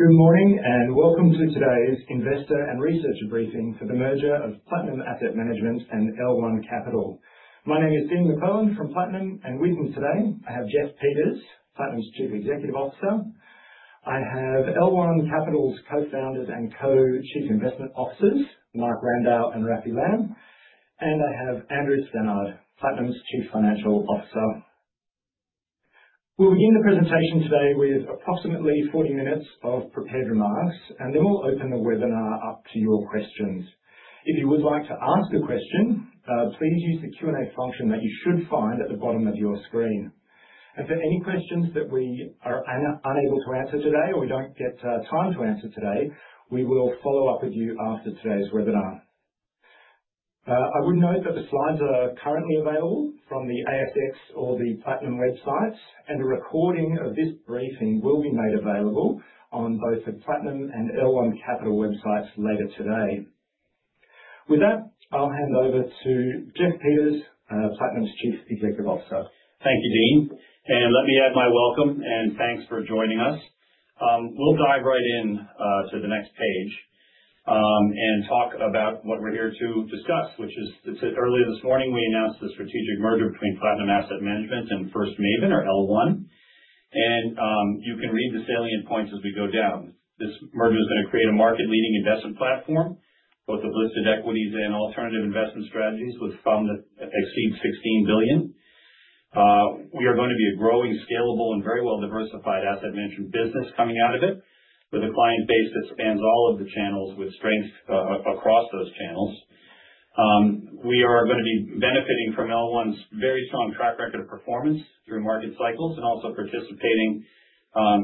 Good morning and welcome to today's investor and researcher briefing for the merger of Platinum Asset Management and L1 Capital. My name is Dean McLelland from Platinum and with me today I have Jeff Peters, Platinum's Chief Executive Officer. I have L1 Capital's Co-Founders and Co-Chief Investment Officers Mark Landau and Raphael Lamm, and I have Andrew Stannard, Platinum's Chief Financial Officer. We begin the presentation today with approximately. 40 minutes of prepared remarks, and then we'll open the webinar up to your questions. If you would like to ask a question. Please use the Q and A function that you should find at the bottom of your screen. For any questions that we are. Unable to answer today or we don't. get time to answer today, we will follow up with you after today's webinar. I would note that the slides are currently available from the ASX or the Platinum websites, and a recording of this briefing will be made available on both the Platinum and L1 Capital websites later today. With that, I'll hand over to Jeff Peters. Platinum's Chief Executive Officer. Thank you, Dean, and let me add my welcome and thanks for joining us. We'll dive right in to the next page and talk about what we're here to discuss, which is, as it says, earlier this morning we announced the strategic merger between Platinum Asset Management and First Maven or L1 Capital, and you can read the salient points as we go down. This merger is going to create a market-leading investment platform, both of listed equities and alternative investment strategies, with funds under management that I've seen at 16 billion. We are going to be a growing, scalable, and very well-diversified asset management business coming out of it, with a client base that spans all of the channels, with strengths across those channels. We are going to be benefiting from L1's very strong track record of performance through market cycles and also participating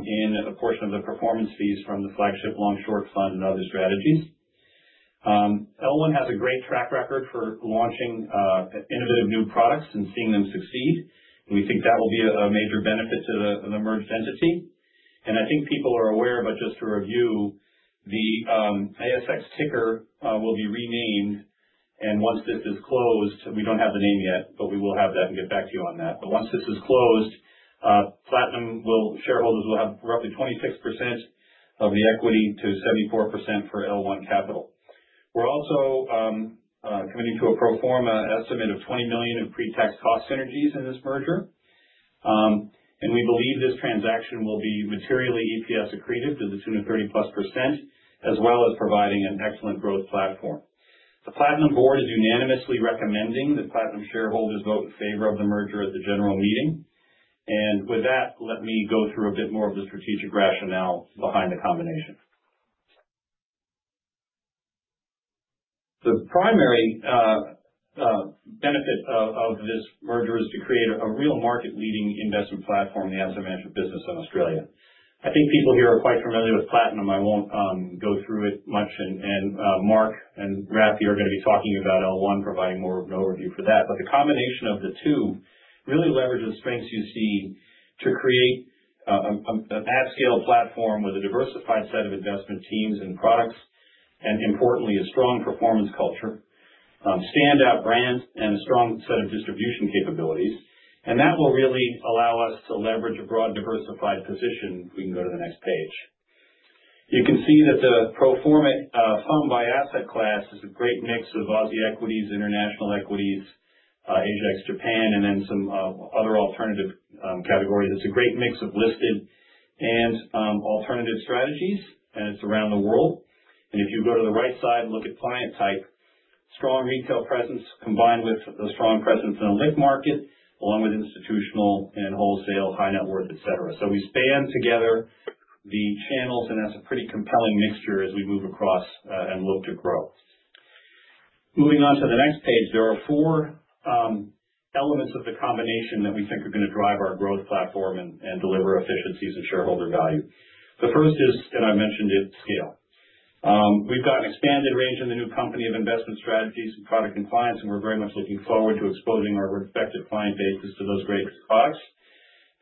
in a portion of the performance fees from the flagship Long Short Fund and other strategies. L1 has a great track record for launching innovative new products and seeing them succeed. We think that will be a major benefit to the merged entity, and I think people are aware, but just to review, the ASX ticker will be renamed, and once this is closed, we don't have the name yet, but we will have that and get back to you on that. Once this is closed, Platinum shareholders will have roughly 26% of the equity to 74% for L1 Capital. We're also going to perform an estimate of 20 million of pre-tax cost synergies in this merger, and we believe this transaction will be materially EPS accretive to the tune of 30 plus percent as well as providing an excellent growth platform. The Platinum Board is unanimously recommending that Platinum shareholders vote in favor of the merger at the general meeting. With that, let me go through a bit more of the strategic rationale behind the combination. The primary benefit of this merger is to create a real market-leading investment platform, the asset management business in Australia. I think people here are quite familiar with Platinum. I won't go through it much, and Mark and Rafi are going to be talking about L1, providing more of an overview for that. The combination of the two really leverages strengths you see to create a map scale platform with a diversified set of investment teams and products and, importantly, a strong performance culture, standout brands, and a strong set of distribution capabilities. That will really allow us to leverage a broad, diversified position. We can go to the next page. You can see that the pro forma funds under management by asset class is a great mix of Aussie equities, international equities, Asia ex Japan, and then some other alternative categories. It's a great mix of listed equities and alternative investment strategies, and it's around the world. If you go to the right side and look at client type, strong retail presence combined with a strong presence in the high-net-worth channels along with institutional and wholesale, high-net-worth, etc. We span together the channels, and that's a pretty compelling mixture as we move across and look at growth. Moving on to the next page, there are four elements of the combination that we think are going to drive our growth platform and deliver efficiencies and shareholder value. The first is that I mentioned at scale we've got an expanded range in the new company of investment strategies and product compliance, and we're very much looking forward to exposing our respective client bases to those great products.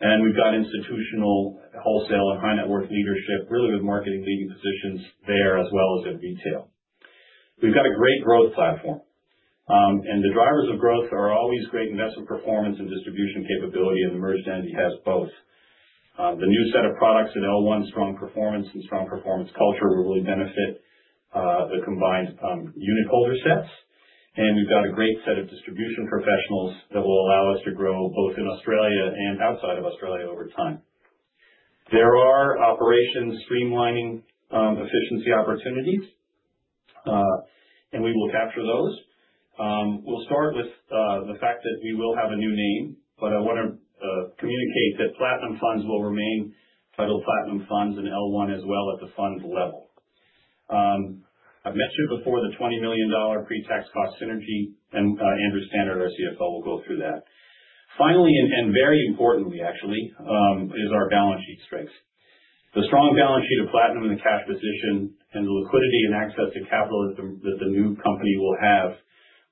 We've got institutional, wholesale, or high-net-worth leadership really with market leading positions there as well as at retail. We've got a great growth platform, and the drivers of growth are always great investment performance and distribution capability in the merged entity as opposed to the new set of products at L1. Strong performance and strong performance culture will really benefit the combined unit holder sets. We've got a great set of distribution professionals that will allow us to grow both in Australia and outside of Australia over time. There are operations streamlining efficiency opportunities, and we will capture those. We'll start with the fact that we will have a new name, but I want to communicate that Platinum funds will remain federal Platinum funds and L1 as well at the fund level. I've mentioned before, the 20 million dollar pre-tax cost synergies, and Andrew Stannard, our Chief Financial Officer, will go through that. Finally, and very importantly actually, is our balance sheet strengths. The strong balance sheet of Platinum and the cash position and the liquidity and access to capital that the new company will have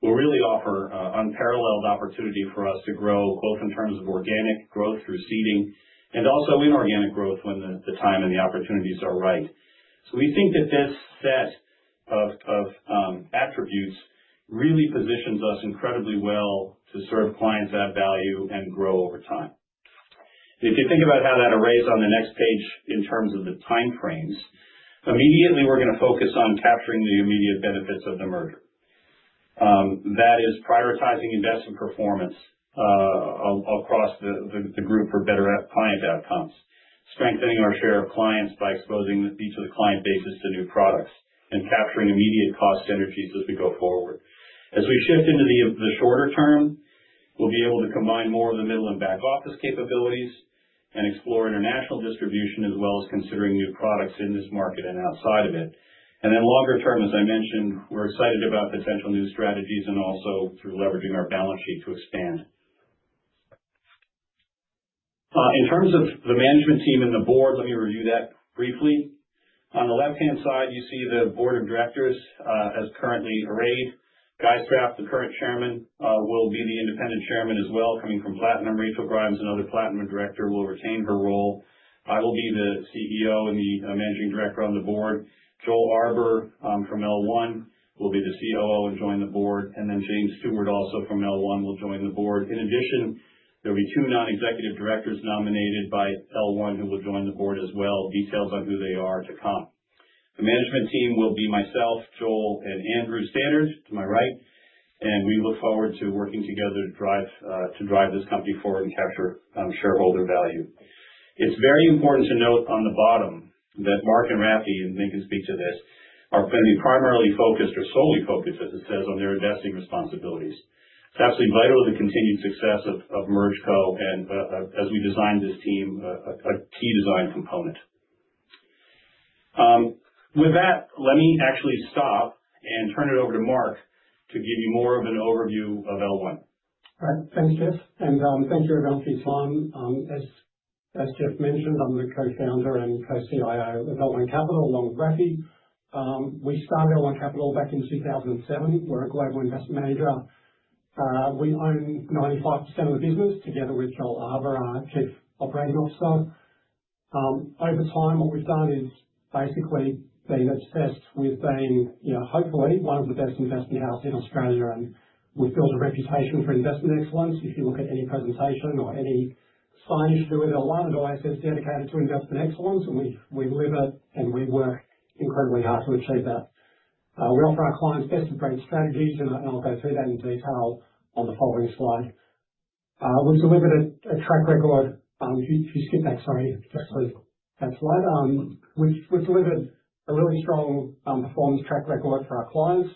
will really offer unparalleled opportunity for us to grow both in terms of organic growth through seeding and also inorganic growth when the time and the opportunities are right. We think that this set of attributes really positions us incredibly well to serve clients, add value, and grow over time. If you think about how that arrays on the next page in terms of the timeframes, immediately we're going to focus on capturing the immediate benefits of the merger, that is prioritizing investment performance across the group for better client outcomes, strengthening our share of clients by exposing each of the client bases to new products, and capturing immediate cost synergies as we go forward. As we shift into the shorter term, we'll be able to combine more of the middle and back office capabilities and explore international distribution as well as considering new products in this market and outside of it. Longer term, as I mentioned, we're excited about potential new strategies and also through leveraging our balance sheet to expand in terms of the management team and the board. Let me review that briefly. On the left hand side, you see the Board of Directors as currently arrayed. Guy Strapp, the current Chairman, will be the independent Chairman as well, coming from Platinum, retrogrades and other Platinum Director will retain her role. I will be the CEO and the Managing Director on the board. Joel Arber from L1 will be the COO and join the board, and then James Stewart, also from L1, will join the board. In addition, there will be two non-executive directors nominated by L1 who will join the board, as well detailed by who they are to come. The management team will be myself, Joel, and Andrew Stannard to my right, and we look forward to working together to drive this company forward and capture shareholder value. It's very important to note on the bottom that Mark and Rafi, and they speak to this, are going to be primarily focused or solely focused, as it says, on their investing responsibilities, fasting vital to continued success of MergeCo, and as we designed this team, a key design component. With that, let me actually stop and turn it over to Mark to give you more of an overview of L1. Thanks Jeff and thank you everyone for your time. As Jeff mentioned, I'm the Co-Founder and Co-Chief Investment Officer of L1 Capital along with Rafi, we started L1 Capital back in 2007. We're a global investment manager. We own 95% of the business together with Joel Arber, our Chief Operating Officer. Over time what we've done is basically the test. We've been hopefully one of the best investment houses in Australia and we've built a reputation for investment excellence. If you look at any presentation or any space, there was a lot dedicated to investment excellence and we delivered and we work incredibly hard to achieve that. We offer our clients best and branded strategies and I'll go through that in detail on the following slide. We've delivered a track record. Just give that. Sorry, just to leave that slide which was delivered a really strong performance track record for our clients.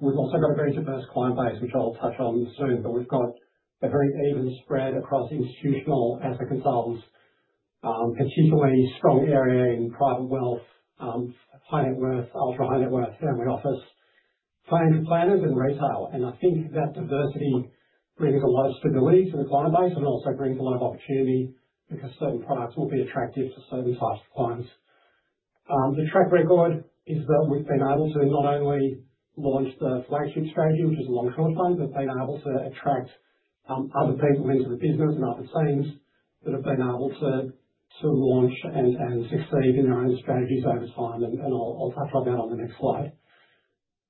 We've also got a very diverse client base we felt from soon, but we've got a very evenly spread across institutional aspect of a strong area in private wealth, high-net-worth, ultra high-net-worth, family office planners and retail. I think that diversity brings a lot of stability to the client base, but also brings a lot of opportunity because certain products will be attractive to savings lives for clients. The track record is that we've been able to not only launch the flagship strategy, which is a long conflict, we've been able to attract other people into the business and other teams that have been able to launch and succeed in running strategies over time. I'll touch on that on the next slide.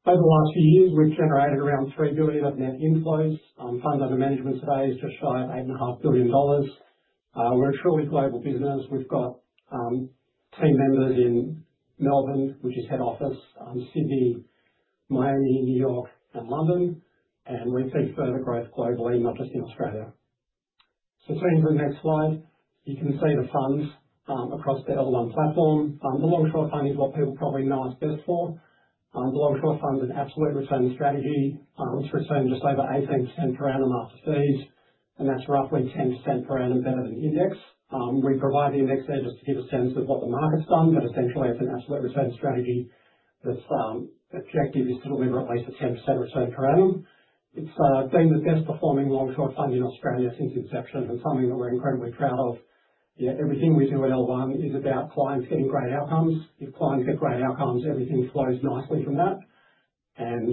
Over the last year we've generated around 3 billion of net inflows. Funds under management today is just 5.5 billion dollars. We're a truly global business. We've got team members in Melbourne, which is head office, Sydney, Miami, New York and London. We've seen further growth globally, not just in Australia. Turning to the next slide, you can see the funds across the L1 platform. The Long Short Fund is what people probably know us best for. The Long Short Fund is absolute returning strategy. I also saved up over 18% per annum after fees and that's roughly 10% per annum better than the index. We provide the index there just to give a sense of what the market's done. Essentially it's an absolute return strategy that's objective is to deliver at least a 10% return to earning. It's been the best performing Long Short Fund in Australia since inception and something that we're incredibly proud of. Everything we do at L1 is about clients getting great outcomes. If clients get great outcomes, everything flows nicely from that and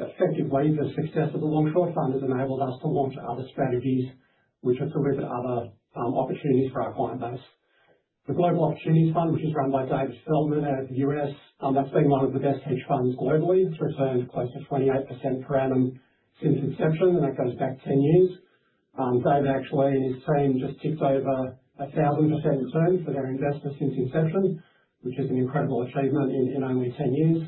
effectively the success of the Long Short Fund has enabled us to launch other strategies which are committed to other opportunities for our client base. The Global Opportunities Fund, which is run by David Feldman, that's been one of the best hedge funds globally, returned as close to 28% per annum since inception and that goes back 10 years. David actually claimed just ticks over 1,000% for their investors since inception, which has been an incredible achievement in only 10 years.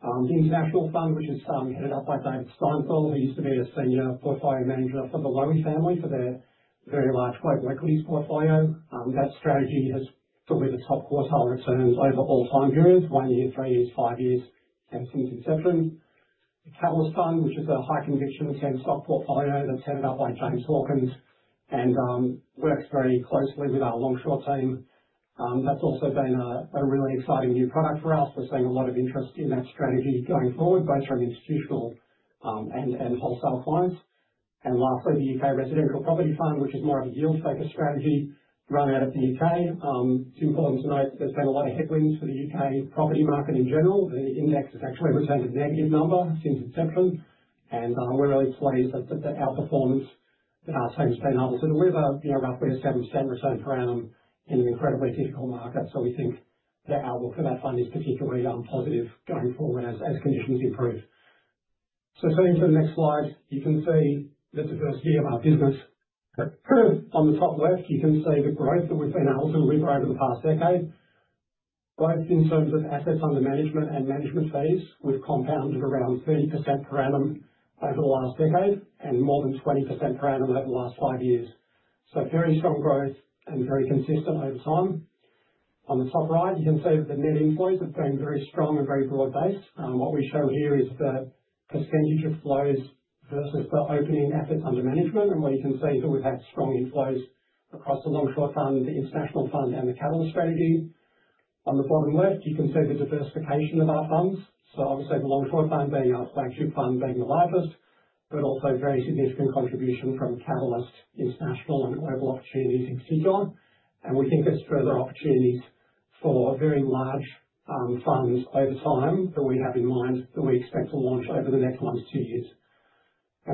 The Engine Outfield Fund, which is headed up by David Steinthal, who used to be a Senior Portfolio Manager for the Lowy family for their very large global equities portfolio, that strategy has probably the top quartile returns over all time periods: one year, three years, five years. Since its inception, the Catalyst Fund, which is a high conviction 10-stock portfolio that's headed up by James Hawkins and works very closely with our Long Short team, that's also been a really exciting new product for us. We're seeing a lot of interest in that strategy going forward both from institutional and wholesale flows. Lastly, the UK Residential Property Fund, which is more of a yield-focused strategy run out of the UK. It's important to note there's been a lot of headwinds for the UK property market in general. The index has actually returned a negative number since its inception and we are these ways that outperformance, so you stay harbor for the river. The average have a percent or so, drowning in an incredibly difficult market. We think the outlook for that fund is particularly positive going forward as conditions improve. Turning to the next slide, you can see the diversity of our business. On the top left, you can see the growth that we've seen over the past decade, quite a few assets under management and management fees. We've compounded around 30% per annum over the last decade and more than 20% per annum over the last five years. Very strong growth and very consistent over time. On the top right, you can see that the net inflows have been very strong and very broad based. What we show here is the percentage of flows versus the opening assets under management, and you can see that we've had strong inflows across the Long Short `fund, International Fund, and the Catalyst strategy. On the bottom left, you can see the diversification of our funds. Obviously, the Long Short fund, our flagship fund, features heavily, but also very significant contribution from Catalyst, International, and Global Opportunities in c-dot. We think there's further opportunities for very large funds over time that we have in mind that we expect to launch over the next one to two years.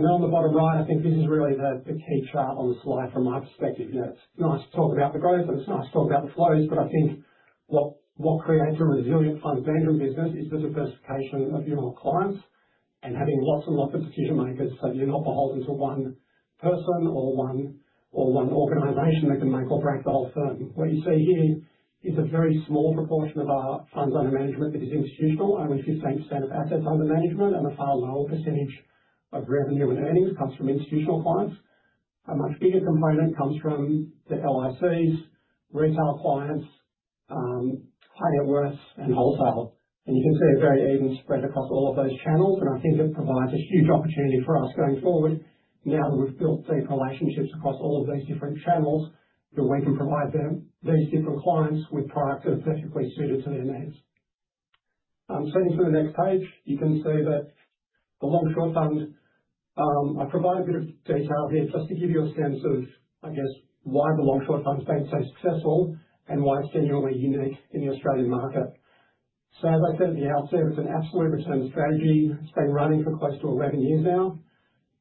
On the bottom right, I think this is really the key chart on the slide from my perspective. It's nice to talk about the growth, and it's nice to talk about the flows. I think what creates a resilient funds management business is just a best case of your clients and having lots and lots of decision makers, so you're not beholden to one person or one organization that can then corporately impact the whole firm. What you see here is a very small proportion of our funds under management that is institutional, only 15% of assets under management, and a far lower percentage of revenue and earnings comes from institutional clients. A much bigger component comes from LICs, retail clients, high-net-worth, and wholesale. You can see a very even spread across all of those channels. I think it provides a huge opportunity for us going forward now that we've built strong relationships across all of these different channels, and we can provide these different clients with products that are perfectly suited to their needs. On the next page, you can see that the Long Short fund, I provide a bit of detail here just to give you a sense of, I guess, why the Long Short fund's been so successful and why it's seemingly unique in the Australian market. As I said at the outset, it's an absolute return strategy. It's been running for close to 11 years now.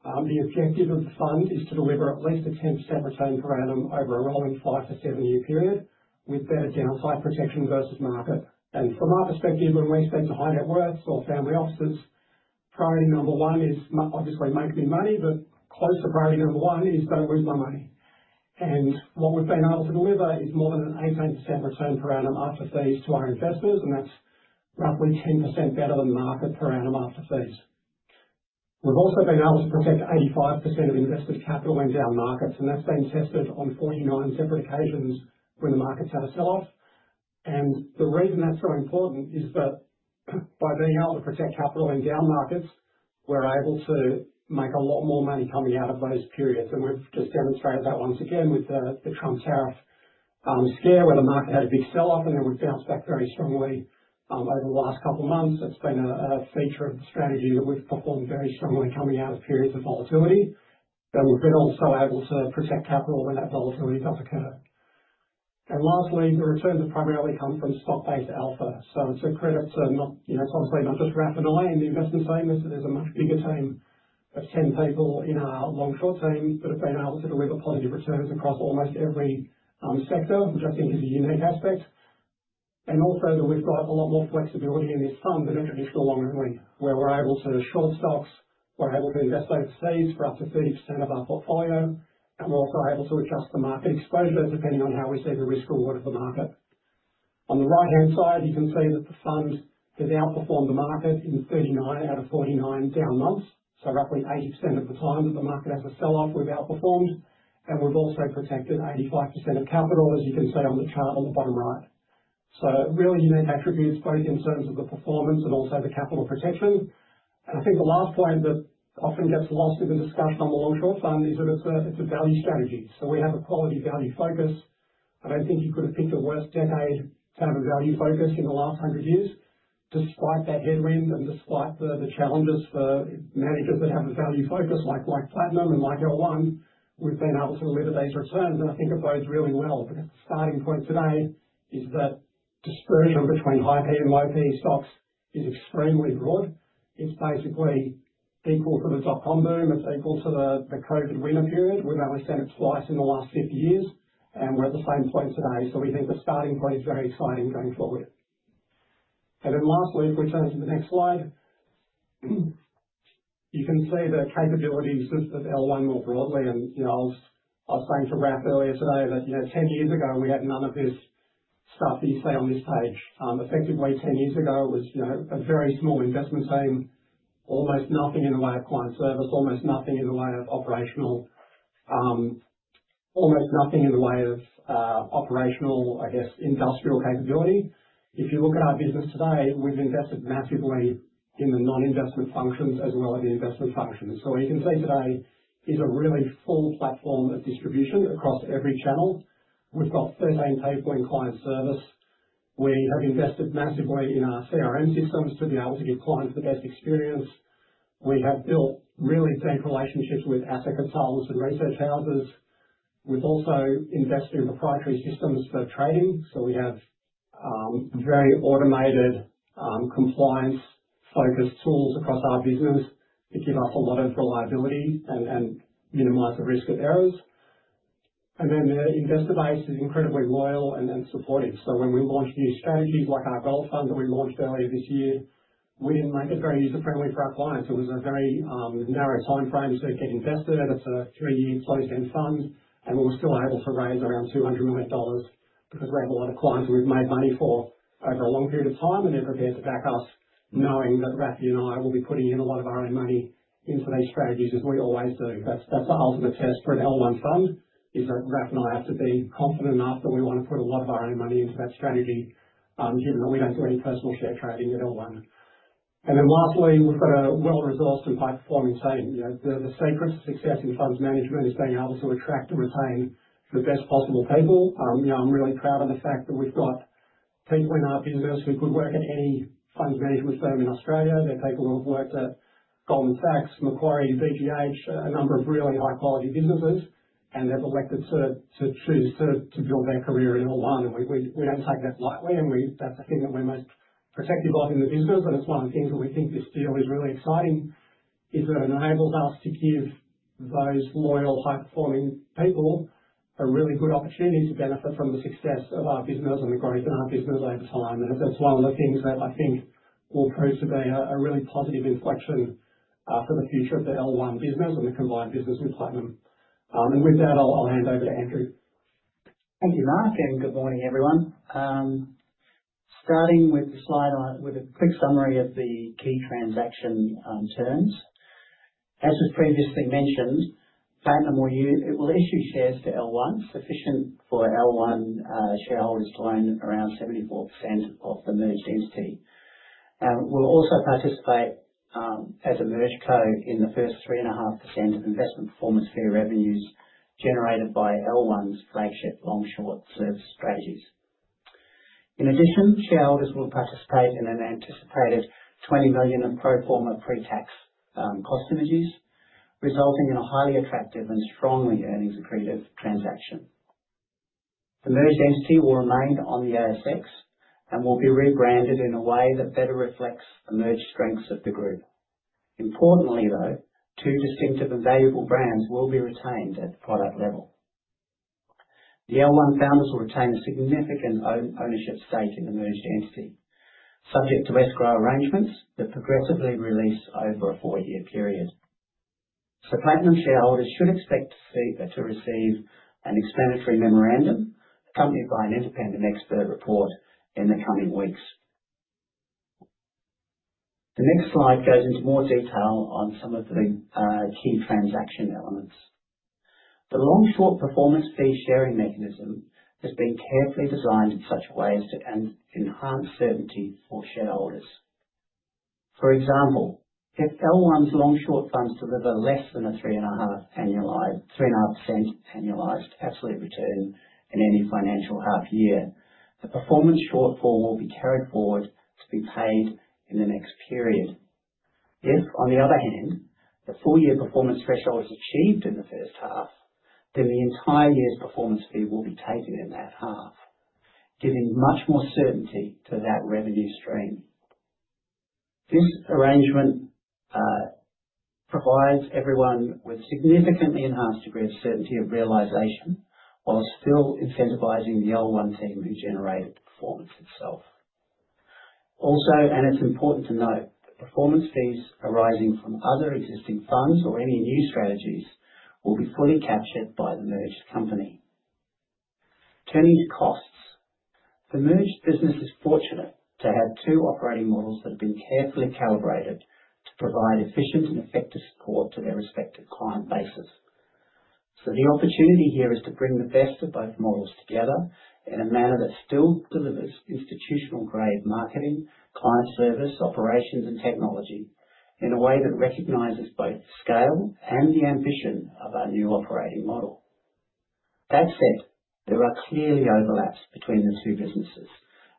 The objective of the fund is to deliver at least a 10% return per annum over a rolling 5-7-year period with better general downside protection versus market. From our perspective, when we speak to high-net-worth or family offices, priority number one is obviously managing money, but, quote, the priority number one is not going to lose my money. What we've been able to deliver is more than an 18% return per annum after fees to our investors, and that's roughly 10% better than the market per annum after fees. We've also been able to protect 85% of investors' capital in down markets, and that's been tested on 49 separate occasions when the markets have a sell-off. The reason that's so important is that by being able to protect capital in down markets, we're able to make a lot more money coming out of those periods. We've just demonstrated that once again with the Trump tariff scare when the market had a big sell-off and it would bounce back very strongly. Over the last couple of months, it's been a feature and strategy that we've performed very strongly coming out of periods of volatility, but also angles to protect capital when that volatility does occur. Lastly, the returns primarily come from stock-based alpha. Credits are not, you know, probably not just rapidly. The investors' benefit is that there's a much bigger team of 10 people in our long fund team that have been able to deliver, which shows across almost every sector, which I think is a unique aspect. Also, we've got a lot more flexibility in this fund than if it is still long only, where we're able to short stocks, we're able to invest those fees for us to see each set of our portfolio, and we're also able to adjust the market exposure depending on how we see the risk-reward for the market. On the right-hand side, you can see that the fund has outperformed the market in 39 out of 49 down months. Roughly 80% of the time that the market has a sell-off, we've outperformed. We've also protected 85% of capital, as you can see on the chart on the bottom right. These are really unique attributes both in terms of the performance and also the capital protection. I think the last point that often gets lost in the discussion on the long fund is that it's a value strategy. We have a quality value focus. I don't think you could have picked a worse decade to have a value focus in the last 100 years. Despite that headwind and despite the challenges for managers that have the value focus like Platinum and like L1, we've been able to deliver those returns, and I think it goes really well. The starting point today is that the dispersion between high PE and low PE stocks is extremely broad. It's basically equal to the dot-com boom. It's equal to the COVID winner period. We've only seen it twice in the last 50 years, and we're at the same point today. We think the starting point is very exciting going forward. If we turn to the next slide, you can see the capabilities of L1 more broadly. I was saying to Rafi earlier today that 10 years ago we had none of this stuff you see on this page. Effectively, 10 years ago it was a very small investment team. Almost nothing in the way of client service, almost nothing in the way of operational, almost nothing in the way of operational, I guess industrial capability. If you look at our business today, we've invested massively in the non-investment functions as well as the investment functions. You can see today is a really full platform of distribution across every channel. We've got three main paper and client service. We have invested massively in our CRM systems to be able to give clients the best experience. We have built really tight relationships with applicant solvers and research houses. We've also invested in the factory systems for trading. We have very automated, compliance-focused tools across our business that give up a lot of reliability and minimize the risk of errors. The investor base is incredibly loyal and supportive. When we launched early this year, we didn't make it very user friendly for our clients. It was a very narrow time frame to get invested. It's a three-year closing fund and we'll still have a provided around 200 because we have a lot of clients we've made money for over a long period of time and they're prepared to back off knowing that Rafi and I will be putting in a lot of our own money into those strategies as we always do. That's the ultimate test for an L1 fund. Rafi and I have to be confident enough that we want to put a lot of our own money into that strategy given that we don't read personal share trading at all. We've got a well-resourced and high-performance team. The secret to success in funds management is being able to attract and retain the best possible people. I'm really proud of the fact that we've got people in our teams who could work at any fund with firm in Australia. They take a lot of work at Goldman Sachs, Macquarie BPH, a number of really high quality businesses and have elected to drill their career in our line and we don't take this lightly. That's the thing that we must protect, building the business, and it's one of the things that we think this deal is really exciting for. It enables us to give those loyal, high performing people a really good opportunity to benefit from the success of our business and the growth in our business over time. That's why we're looking to say I think all proves to be a really positive inflection for the future of the L1 business and the combined business with Platinum. With that, I'll hand over to Andrew. Thank you, Mark, and good morning, everyone. Starting with the slide, with a quick summary of the key transaction terms. As was previously mentioned, Platinum will issue. Shares to L1 sufficient for L1 shareholders to own around 74% of the merged entity. We'll also participate as a MergeCo in the first 3.5% of investment performance fee revenues generated by L1's flagship long short service strategies. In addition, shareholders will participate in an anticipated 20 million of pro forma pre-tax cost synergies, resulting in a highly attractive and strongly earnings accretive transaction. The merged entity will remain on the ASX and will be rebranded in a way that better reflects the merged strengths of the group. Importantly, though two distinctive and valuable brands will be retained at the product level, the L1 founders will retain significant ownership stake in the merged entity subject to escrow arrangements that progressively release over a four-year period. The Platinum shareholders should expect to receive an explanatory memorandum accompanied by an independent expert report in the coming weeks. The next slide goes into more detail on some of the key transaction elements. The long short performance fee-sharing mechanism has been carefully designed in such a way as to enhance certainty for shareholders. For example, if L1 runs long short funds deliver less than a 3.5% 10-year U.S. dollar return in any financial half year, the performance shortfall will be carried forward to be paid in the next period. If, on the other hand, the full-year performance threshold is achieved in the first half, then the entire year's performance fee will be taken in that half, giving much more certainty to that revenue stream. This arrangement provides everyone with a significantly enhanced degree of certainty of realization while still incentivizing the L1 team to generate performance itself. Also, and it's important to note, performance fees arising from other existing funds or any new strategies will be fully captured by the merged company. Turning to costs, the merged business is fortunate to have two operating models that have been carefully calibrated to provide efficient and effective support to their respective client bases. The opportunity here is to bring the best of both models together in a manner that still delivers institutional-grade marketing, client service, operations, and technology in a way that recognizes both scale and the ambition of our new operating model. That said, there are clearly overlaps between the two businesses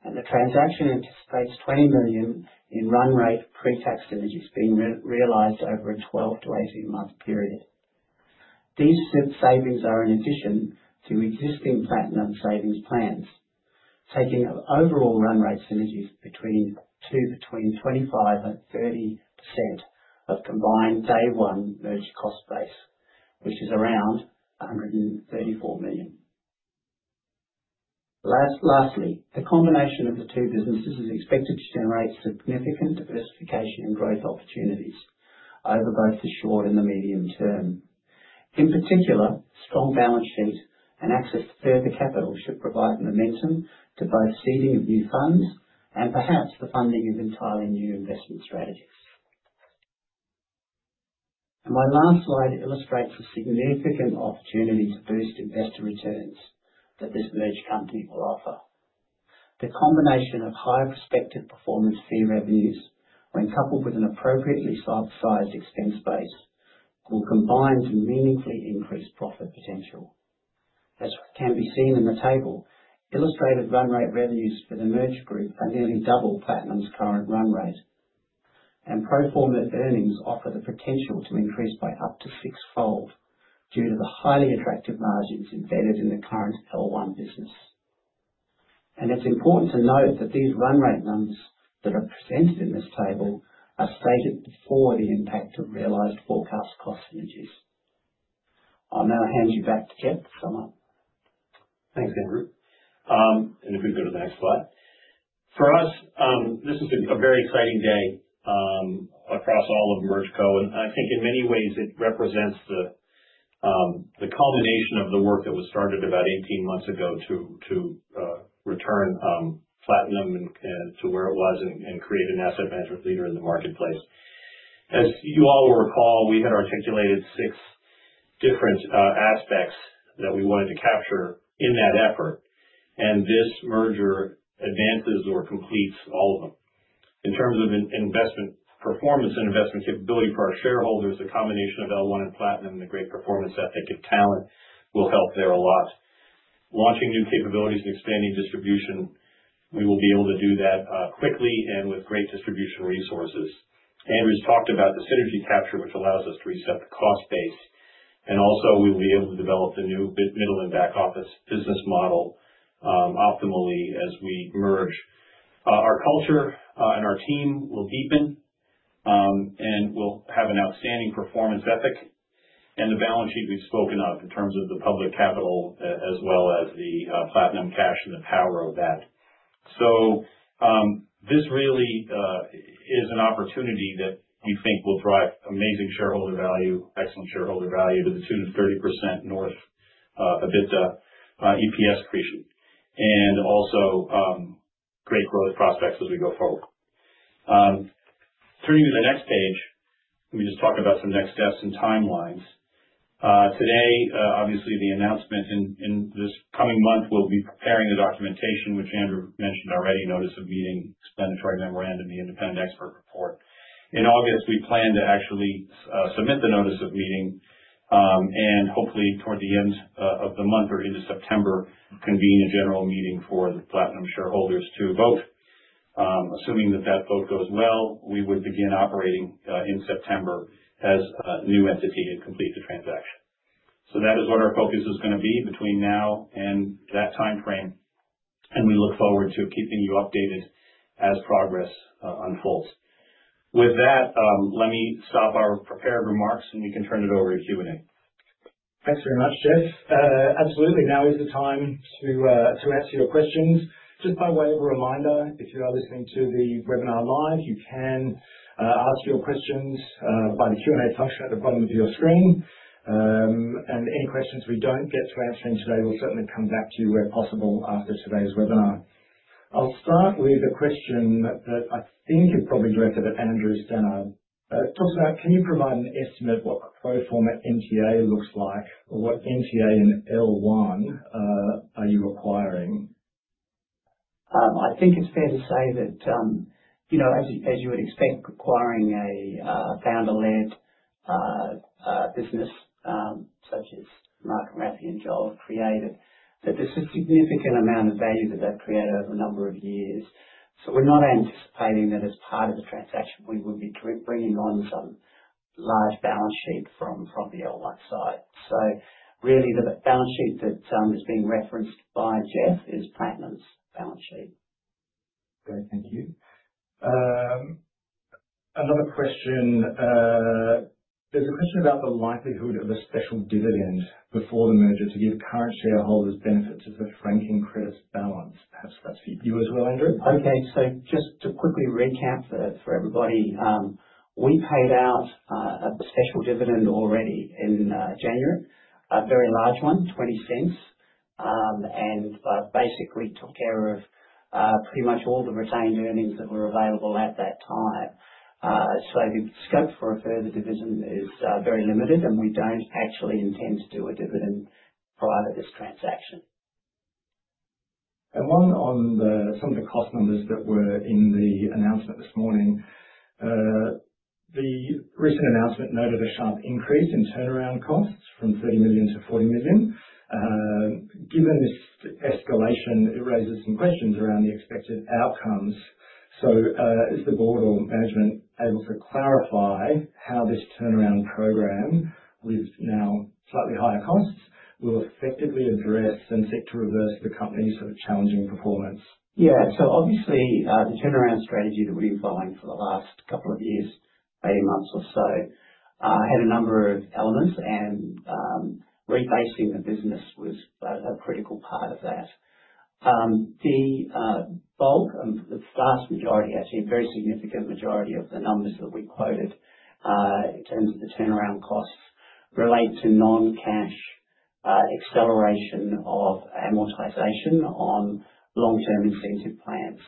and the transaction anticipates 20 million in run rate pre-tax synergies being realized over a 12-18 month period. These savings are in addition to existing Platinum savings plans, taking overall run rate synergies between the two to between 25% and 30% of the combined day one merger cost base, which is around 134 million. Lastly, the combination of the two businesses is expected to generate significant diversification and growth opportunities over both the short and the medium term. In particular, strong balance sheet and access to further capital should provide momentum to both seeding of new funds and perhaps the funding of entirely new investment strategies. My last slide illustrates the significant opportunity to boost investor returns that this merged company will offer. The combination of high respective performance fee revenues, when coupled with an appropriately sized expense base, will combine to meaningfully increase profit potential. As can be seen in the table illustrated, run rate revenues for the merged group are nearly double Platinum's current run rate, and pro forma earnings offer the potential to increase by up to sixfold due to the highly attractive margins embedded in the current L1 business. It's important to note that these run rate numbers that are presented in this table are stated before the impact of realized forecast cost synergies. I'll now hand you back to Jeff. Thanks, Andrew. If we go to the next slide, for us this is a very exciting day across all of MergeCo and I think in many ways it represents the culmination of the work that was started about 18 months ago to return Platinum to where it was and create an asset venture theater in the marketplace. As you all will recall, we had articulated six different aspects that we wanted to capture in that effort, and this merger advances or completes all of them in terms of investment performance and investment capability for our shareholders. The combination of L1 and Platinum and the great performance ethic of talent will help there a lot, launching new capabilities and expanding distribution. We will be able to do that quickly and with great distribution resources. Andrew talked about the synergy capture, which allows us to reset the cost base, and also we will be able to develop the new middle and back office business model optimally as we merge. Our culture and our team will deepen, and we'll have an outstanding performance ethic and the balance sheet we've spoken of in terms of the public capital as well as the Platinum cash and power of that. This really is an opportunity that you think will drive amazing shareholder value, excellent shareholder value to the students, 30% north of EBITDA, EPS appreciation, and also great growth prospects as we go forward. Turning to the next page, let me just talk about some next steps and timelines today. Obviously, the announcements in this coming month will be preparing the documentation, which Andrew mentioned already, Notice of Meeting, the Independent Expert Report. In August, we plan to actually submit the Notice of Meeting and hopefully toward the end of the month or into September, convene a general meeting for the Platinum shareholders to vote. Assuming that that vote goes well, we would begin operating in September as a new entity and complete the transaction. That is what our focus is going to be between now and that timeframe, and we look forward to keeping you updated as progress unfolds. With that, let me stop our prepared remarks and we can turn it over. To Q&A, thanks very much, Jeff. Absolutely. Now is the time to answer your questions. Just by way of a reminder, if you are listening to the webinar live, you can ask your questions by the Q and A function at the bottom of your screen. Any questions we don't get through today, we'll certainly come back to you where possible after today's webinar. I'll start with a question that I think is probably directed to Andrew Stannard. Can you provide an estimate what pro forma NTA looks like or what NTA and L1 are you acquiring? I think it's fair to say that, as you would expect, acquiring a founder-led business such as Mark, Rafi, and Joel created, there's a significant amount of value that that created over a number of years. We're not anticipating that as part of the transaction we would be bringing on some large balance sheet from property on one side. Really, the balance sheet that is being referenced by Jeff is Platinum's balance sheet. Great, thank you. Another question, there's a question about the likelihood of a special dividend before the merger to give current shareholders benefits of the franking credit balance. That's you as well, Andrew. Okay, just to quickly recap for everybody, we paid out a special dividend already in January, a very large one, 0.20, and basically took care of pretty much all the retained earnings that were available at that time. Slated scope for a further dividend is very limited, and we don't actually intend to do a dividend prior to this transaction. On some of the cost numbers that were in the announcement this morning, the recent announcement noted a sharp increase in turnaround costs from 30 million to 40 million. Given this escalation, it raises some questions around the expected outcomes. Is the board or management able to clarify how this turnaround program with now slightly higher costs will effectively address and seek to reverse the company's sort of challenging performance? Yeah. Obviously, the turnaround strategy that we've been following for the last couple of years, 18 months or so, had a number of sellers and replacing the business was a critical part of that. The bulk and the vast majority, actually a very significant majority of the numbers that we quoted for turnaround costs relate to non-cash acceleration of an amortization on long-term incentive plans.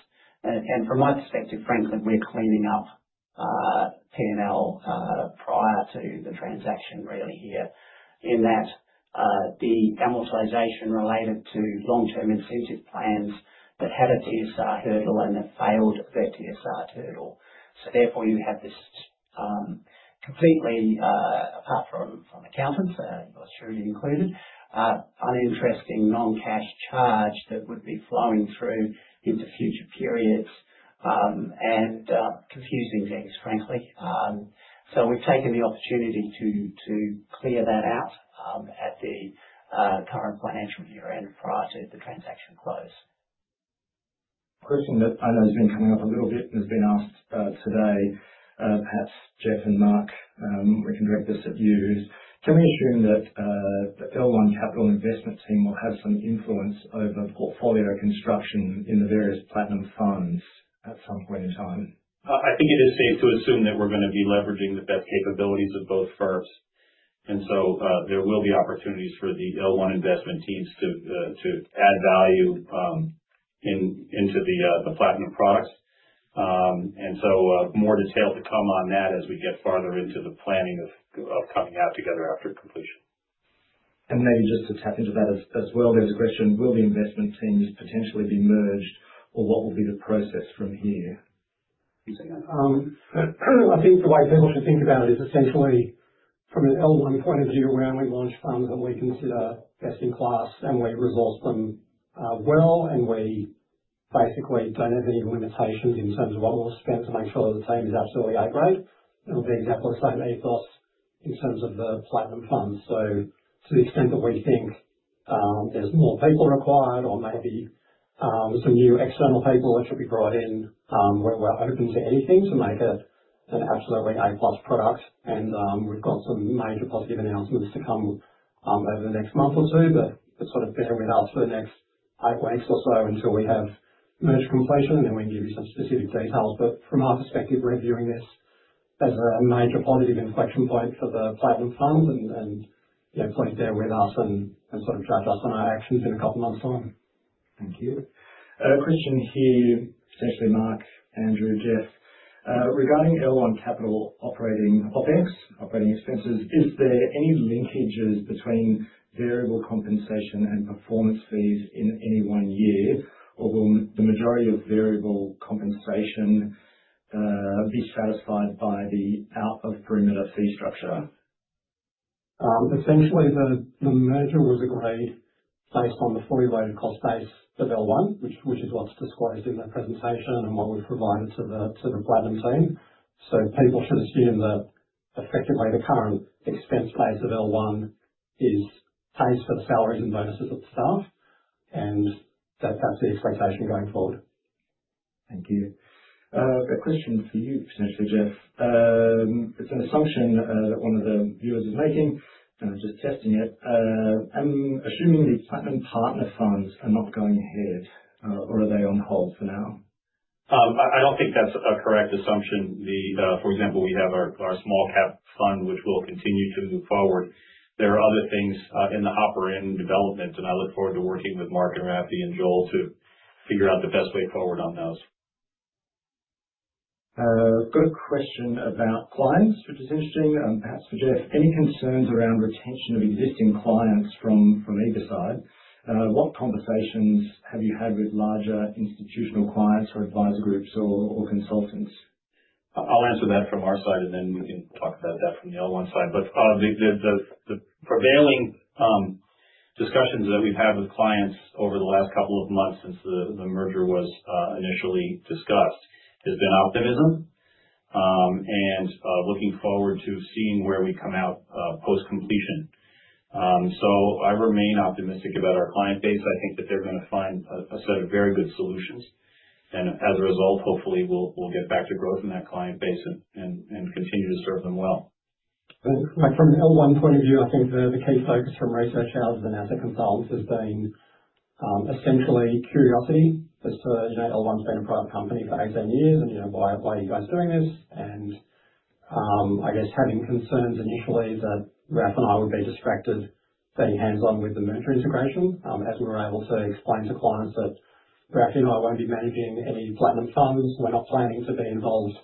From my perspective, frankly, we're cleaning up P&L prior to the transaction really here in that the amortization related to long-term incentive plans that had a TSR hurdle and a failed TSR hurdle. Therefore, you have this completely, apart from accountants, Australia included, uninteresting non-cash charge that would be flowing through into future periods and confusing things, frankly. We've taken the opportunity to clear that out at the current financial year end for us as the transaction closes. Has been coming up. A little bit has been asked today. Perhaps Jeff and Mark, working direct this at you, can we assume that the L1 Capital investment team will have some influence over portfolio construction in the various Platinum funds at some point in time? I think it is safe to assume. That we're going to be leveraging the capabilities of both firms, and there will be opportunities for the L1 investment teams to add value into the Platinum products. More detail to come on that as we get farther into the planning of coming out together after. Completion and maybe just to tap into that as well, there's a question: will the investment teams potentially be merged, or what will be the process from here? I think what people should think about is essentially from an L1 point of view around we launch funds that we consider best in class, and we resource them well. We basically don't have any limitations in terms of what we've spent to make sure the team is absolutely upgrade. It'll be exactly the same ethos in terms of the Platinum plan. To the extent that we think there's more people required or maybe there's new external people that should be brought in, we're open to anything to make it an absolutely a product. We've got some major positive announcements. To come over the next month or. Two, but sort of figure with us. For the next eight weeks. Until we have measure completion and then we can give you some specific details. From our perspective reviewing this, there's a major positive inflection point for the final end. Please bear with us and drive us on our actions in a couple of months time. Thank you. Question here. Essentially, Mark, Andrew, Jeff, regarding L1 Capital operating expenses, is there any linkages between variable compensation and performance fees in any one year, or will the majority of variable compensation be satisfied by the out of perimeter fee structure? Essentially, the merger was agreed based on the Fund load called F L1, which is what's disclosed in the presentation and what we've provided to the Platinum team. People should assume that effectively the current expense paid of L1 pays for salaries and bonuses of staff, and that's the expectation going forward. Thank you. A question for you, potentially Jeff. It's an assumption that one of the viewers is making and I just tested. I'm assuming the Platinum partner funds are. Not going to bid or are they on hold for now? I don't think that's a correct assumption. For example, we have our small cap fund, which will continue to move forward. There are other things in the hopper in development, and I look forward to working with Mark, Rafi and Joel to figure out the best way forward on those. Got a question about clients, which is interesting and perhaps for Jeff. Any concerns around retention of existing clients from either side, and what conversations have you had with larger institutional clients or advisor groups or consultants? I'll answer that from our side and then talk about that from the other one's side. The prevailing discussions that we've had with clients over the last couple of months since the merger was initially discussed has been optimism and looking forward to seeing where we come out post completion. I remain optimistic about our client base. I think that they're going to find a set of very good solutions, and as a result, hopefully we'll get back to growth in that client basis and continue to serve them well. From an L1 point of view, I think the key focus from research hours, the NASA consults, has been essentially curiosity. L1's been a product company for 18 years and by serious, and I guess having concerns initially that Raf and I would be distracted being hands on with the merger integration. As we were able to explain to clients that Raf and I won't be managing any Platinum funds, we're not planning to be involved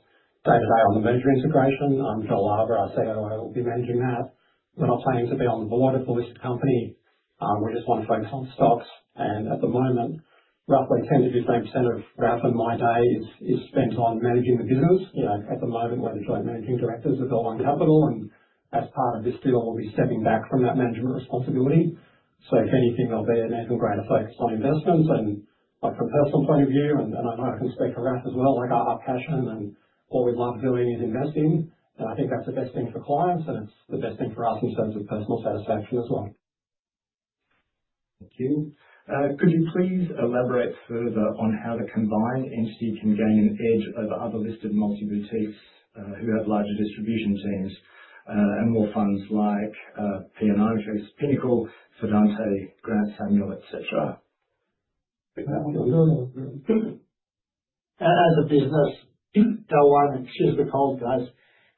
day to day on the merger integration. Joel Arber, our COO, will be managing that. We're not planning to be on the board of the listed company. We just want to focus on stocks, and at the moment, roughly 10%-15% of Rafi and my day is spent on managing the business. At the moment, we've got Managing Directors of L1 Capital as part of this, but we'll be stepping back from that management responsibility. If anything, there'll be an upgrade effect on investments, and from a personal point of view, and I can speak for Raf as well, our passion and all we love doing is investing. I think that's the best thing for clients, and it's the best thing for us in terms of clinical satisfaction as well. Thank you. Could you please elaborate further on how the combined entity can gain edge over other listed multi boutiques who have larger distribution teams and more funds like PNI, Pinnacle, Fidante, Grant Samuel, etc. As a business, L1, excuse the cold, guys.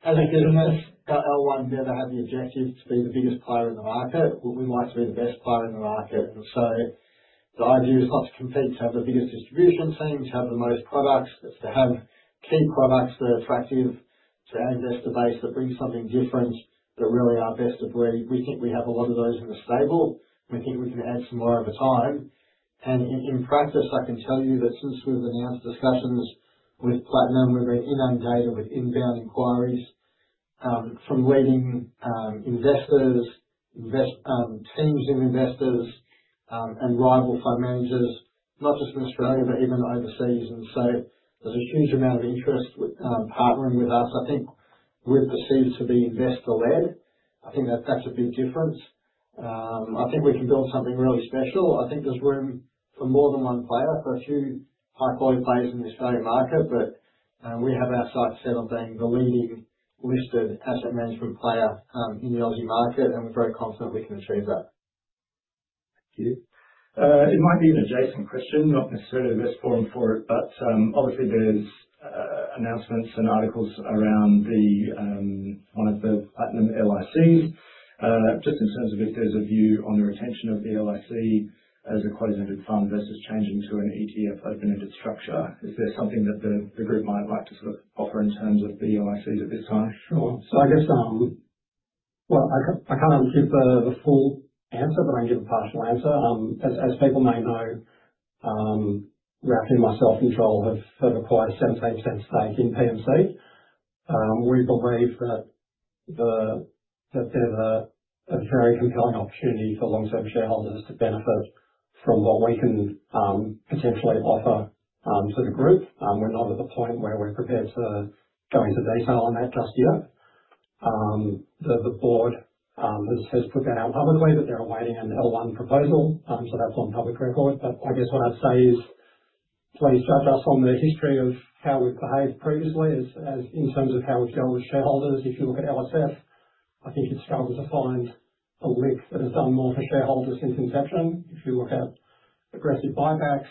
As a good enough L1, never have the objective to be the biggest player in the market or we might be. The best player in the market. The idea is not to compete to have the biggest distribution teams. have the most products, it's to have key products that are attractive to our investor base, that bring something different, that really are best of breed. We think we have a lot of. Those in the stable, we think we can add some more. Over time and in practice, I can tell you that since we've announced discussions with Platinum, we've been inundated with inbound inquiries from leading investors, teams of investors, and rival fund managers, not just in Australia, but even overseas. There's a huge amount of interest partnering with us. I think we're perceived to be investor led. I think that's a big difference. I think we can build something really special. I think there's room for more than one player, for a few high quality. Players in the Australian market. We have our sights set on. Being the leading listed asset management player. In the LIC market, and we're very. Constantly going to achieve that. Thank you. It might be an adjacent question, not necessarily the best falling for it, but obviously there's announcements and articles around the one of the Platinum LIC. Just in terms of if there's a view on the retention of the LIC as a closed to fund versus changing to an ETF open ended structure, is there something that the group might like to offer in terms of the LIC at this time? Sure. I can't give a full answer, but I can give a partial answer. As people may know, Rafi and myself, his role has acquired a 17% stake in PMC. We believe that there's a very compelling opportunity for long-term shareholders to benefit from what we can potentially offer to the group. We're not at the point where we're prepared to go into detail on that just yet. The board has put that out publicly, but they're awaiting an L1 proposal for that on public record. What I'd say is please judge from the history of how we've behaved previously in terms of how we've dealt with shareholders. If you look at LSF, I think it's struggled to find a risk that has done more for shareholders since inception. If you look at progressive buybacks,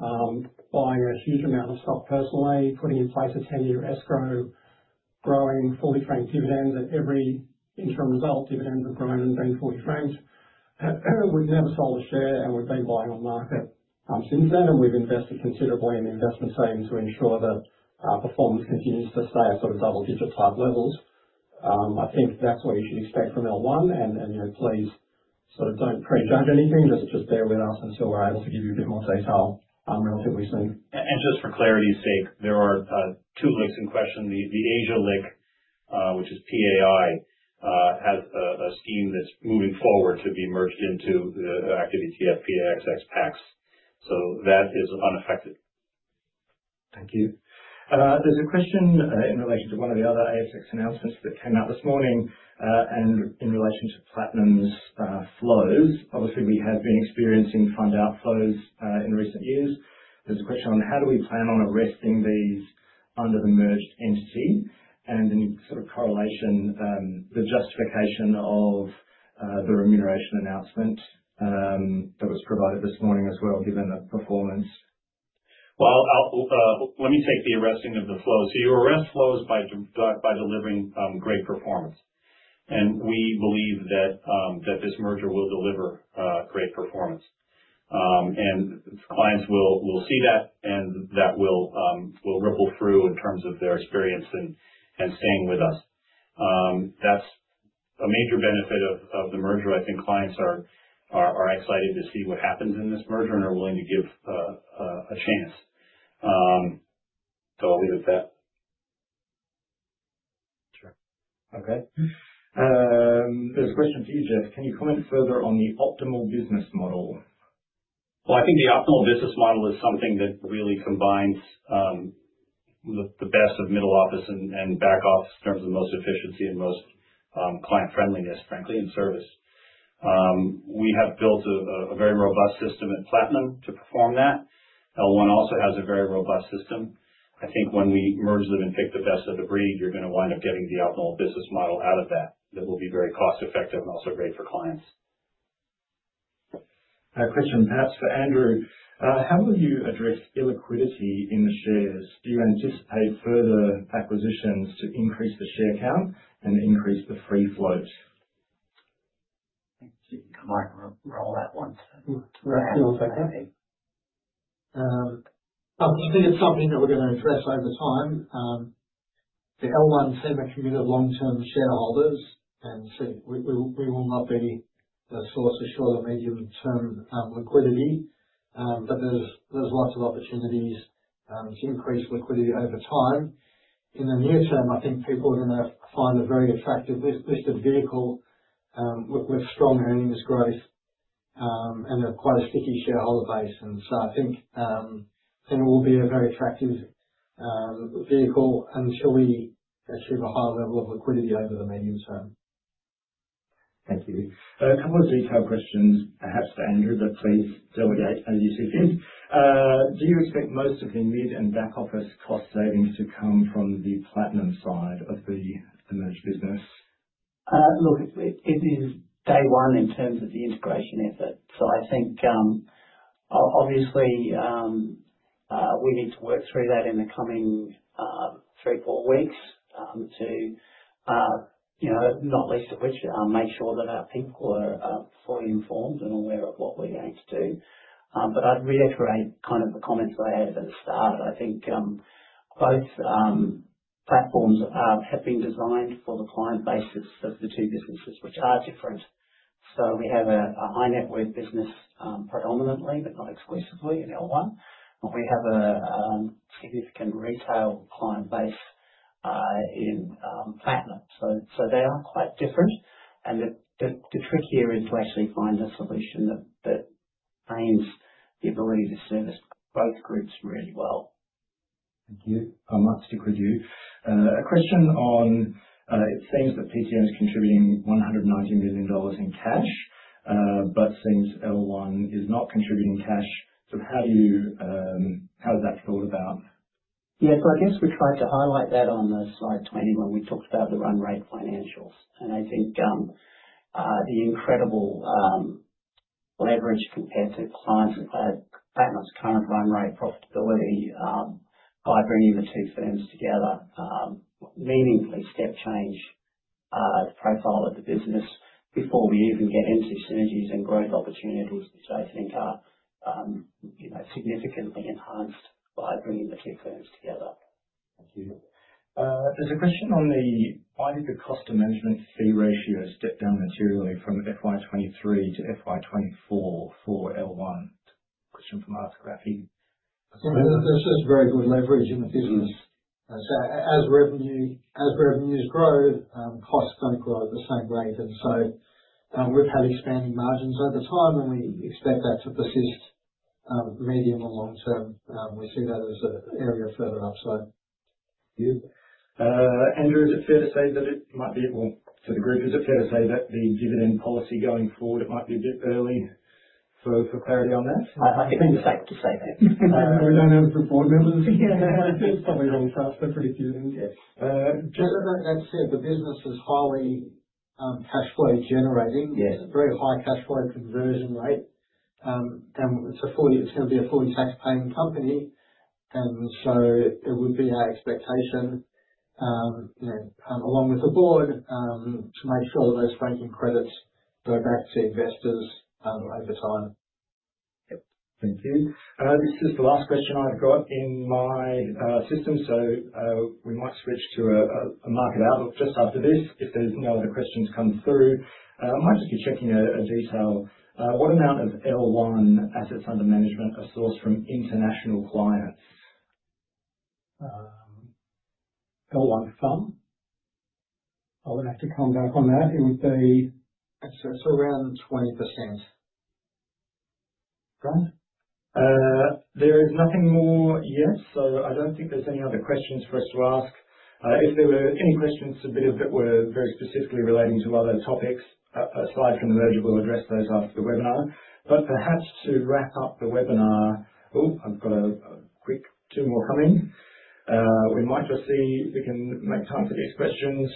buying a huge amount of stock, personally putting in places, heading to escrow, growing full different dividends at every interim result, dividends have grown and being 40 franks would never sell a share and would be buying on market. Since then we've invested considerably in investment savings to ensure that our performance continues to stay at sort of double digits high levels. I think that's what you can expect from L1. Please, is that anything? Does it just play with us and so give you a bit more place how I'm relatively safe. For clarity's sake, there are two LICs in question. The ASIALIC, which is PAI, has a scheme that's moving forward to be merged into the Active PAXX. So that is unaffected. Thank you. There's a question in relation to one of the other ASX announcements that came out this morning and in relation to Platinum's flows. Obviously, we have been experiencing fund outflows in recent years. There's a question on how do we plan on arresting these under the merged entity and in correlation, the justification of the remuneration announcement that was provided this morning as well, given the performance. Let me take the arresting of the flow. You arrest flows by delivering great performance, and we believe that this merger will deliver great performance. Clients will see that, and that will ripple through in terms of their experience and seeing with us. That's a major benefit of the merger. I think clients are excited to see what happens in this merger and are willing to give a chance. I'll leave it there. Okay. There's a question for you, Jeff. Can you comment further on the optimal business model? I think the optimal business model is something that really combines the best of middle office and back office in terms of most efficiency and most client friendliness, frankly in service. We have built a very robust system at Platinum to perform that. L1 also has a very robust system. I think when we merge them and pick the best of the breed, you're going to wind up getting the optimal business model out of that. That will be very cost effective and. Also great for clients. Question, perhaps for Andrew, how will you address illiquidity in the shares? Do you anticipate further acquisitions to increase the share count and increase the free float? Float. Roll at once feels very happy. I think it's something that we're going to address over time. The L1 seem a commitment to long term shareholders, and we will not be a source of short or medium term liquidity. There's lots of opportunities to increase liquidity over time. In the near term, I think people are going to find a very attractive listed vehicle with strong earnings growth. Quite a sticky shareholder base. I think it will be a very attractive vehicle until we achieve. A higher level of liquidity over the medium term. Thank you. A couple of detail questions, perhaps for Andrew, but please, deliberately, do you expect most of the mid and back office cost savings to come from the Platinum side? Look, it is day. In terms of the integration effort, we need to work through that in the coming three or four weeks, not least of which to make sure that our people are fully informed and aware of what we need to do. I'd reiterate the comments I had at the start. Both platforms have been designed for the client bases of the two businesses, which are different. We have a high-net-worth business predominantly, but not exclusively, in L1 and we have a significant retail client base in Platinum. They are quite different. The trick here is to actually find a solution that aims to serve both groups really well. Thank you. I might stick with you. A question on it seems that Platinum Asset Management Limited is contributing 190 million dollars in cash, but seems L1 is not contributing cash. How do you. How is that thought about? Yeah, I guess we tried to highlight. That on slide 20, when we talked about the run rate financials, I think the incredible, on average, compared to size of that kind of run rate profitability by bringing the two firms together, meaningfully step change the profile of the business before we even get into synergies and growth opportunities, which I think are significantly enhanced by bringing the two firms together. Thank you. There's a question on why did the cost of management fee ratio step down materially from FY2023 to FY2024 for L1. Ly. That's a very good leverage in the business as revenues grow, costs don't grow at the same rate, and so we've had expanding margins over time. We expect that to persist medium and long term. We see that as an area of further upside. Andrew, is it fair to say that it might be to the group? Is it fair to say that the dividend policy going forward, it might be a bit early. For clarity on that, the business is highly cash flow generating, with a very high cash flow conversion rate, and it's going to be a AUD 0.40 paying company. It would be our expectation, along with the board, to make all. Of those franking credits go back to investors over time. Thank you. This is the last question I've got in my system, so we might switch to a market outlook just after this if there's no other questions come through. I might just be checking a detail: what amount of L1 assets under management are sourced from international clients. I would have to come back on that. It would be around 20%. There is nothing more. Yes, I don't think there's any other. If there were any questions submitted that were very specifically relating to other topics aside from the merger, we'll address those after the webinar. Perhaps to wrap up the webinar, I've got two more coming. We might just see if we can make time for these questions.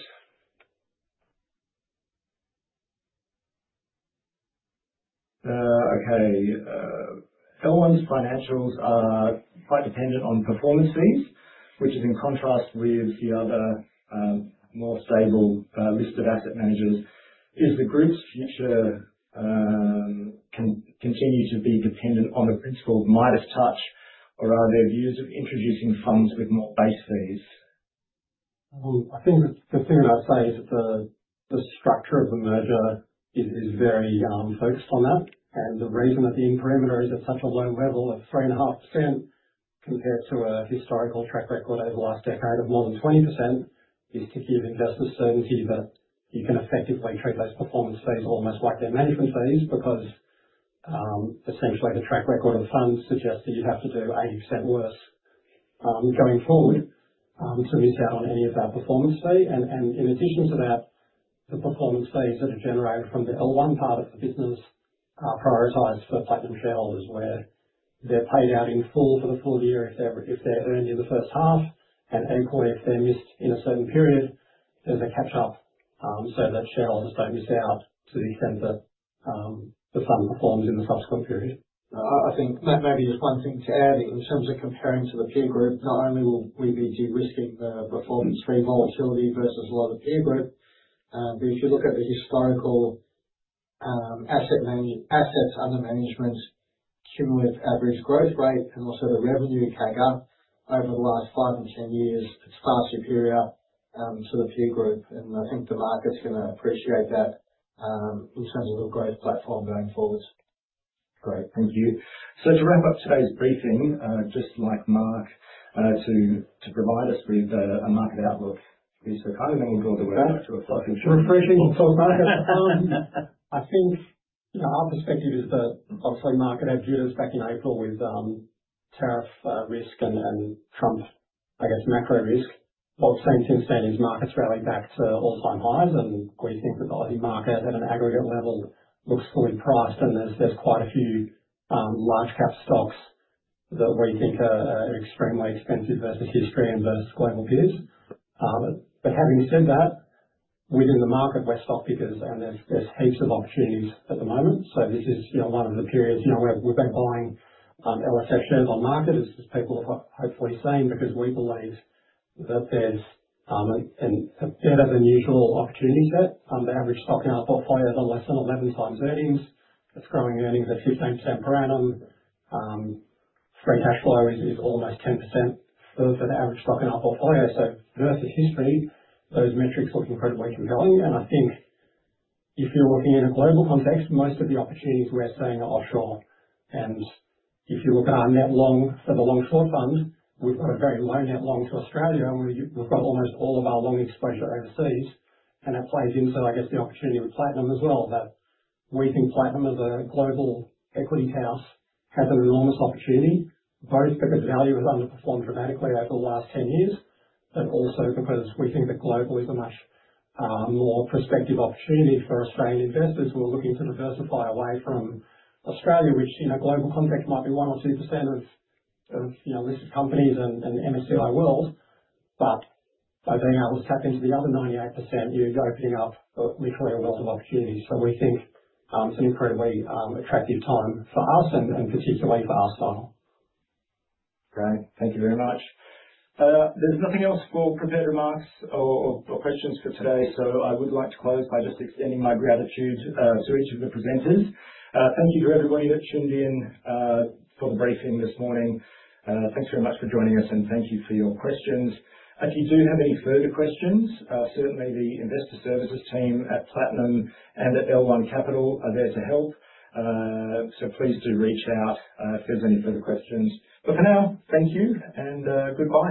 Okay. L1's financials are quite dependent on performance fees, which is in contrast with the other more stable listed asset managers. Is the group's future. Continue to be. Dependent on the principle of Midas Touch, or are there views of introducing funds with more base fees? I think the thing that I'd say is the structure of the merger is very focused on that. The reason that the interim are such a low level of 3.5% compared to a historical track record over the last decade of more than 20% is to give investment certainty that you can effectively treat less performance fee, almost like debt management fees because it seems like the track record of funds suggests that you have to do 80% worse going forward to use that on any of our performance fee. In addition to that, the performance fees that are generated from the L1 part of the business are prioritized for Platinum shareholders where they're paid out in full for the full year if ever. If they earned you the first half and if they're missed in a certain period, there's a catch up so that shareholders don't miss out to the extent that the fund performs in the subsequent period. I think that may be just one thing to add in terms of concerns for the peer group. Not only will we be de-risking the stream volatility versus a lot of peer group, but if you look at the historical assets under management's cumulative average growth rate and also the revenue tag up over the last five and 10 years, it's far superior to the peer. Group and I think the market's going to appreciate that, which has a great platform going forward. Great, thank you. To wrap up today's briefing, I'd just like Mark to provide us with a market outlook is for co, and then we'll build the work. I think our perspective is that obviously market adjudged back in April with tariff risk and Trump, I guess macro risk. It seems to us that these markets rally back to all-time high than green books. The Aussie market at an aggregate level looks fully priced, and there's quite a few large cap stocks that we think are extremely expensive versus history and versus global peers. Having said that, within the market we're stock pickers, and there's heaps of opportunities at the moment. This is one of the periods where we've been buying LSF shares on market, as people have hopefully seen, because we believe that there's better than usual opportunities, that the average stock in our portfolio has a less than 11 times earnings. It's growing earnings at 0.15 per annum. Free cash flow is almost 10% relative to the average stock in our portfolio. That's a history, those metrics looking for weightly value, and I think if you're working in a quantical context, most of the opportunities we're staying outsourced, and if you look at our net long of the Long Short fund, we've got a very low net long to Australia, and we've got almost all of our long exposure overseas, and it plays into, I guess, the opportunity with Platinum as well. That weeping Platinum of a global equity house has an enormous opportunity voice because Aussie has underperformed dramatically over the last 10 years, but also because we think that global is a much more prospective opportunity for Australian investors who are looking to diversify away from Australia, which in a global context might be 1% or 2% of listed companies and MSCI World, but being able to attract it to the other 98%, you open up with quite a lot of opportunities. We think it's an incredibly attractive time for us and particularly for our style. Great. Thank you very much. There's nothing else for prepared remarks. Questions for today, so I would like to close by just extending my gratitude to each of the presenters. Thank you to everybody that tuned in. For the briefing this morning, thanks very much for joining us and thank you for your questions. If you do have any further questions, certainly the Investor Services team at Platinum and at L1 Capital are there to help. Please do reach out if there's any further questions. For now, thank you and goodbye.